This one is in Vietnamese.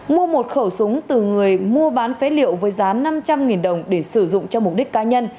mua một khẩu súng từ người mua bán phế liệu với giá năm trăm linh đồng để sử dụng cho mục đích cá nhân